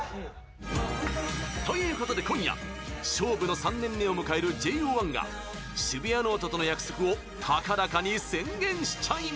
ということで、今夜勝負の３年目を迎えるＪＯ１が「シブヤノオト」との約束を高らかに宣言しちゃいます！